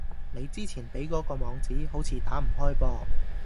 你之前畀嗰個網址，好似打唔開噃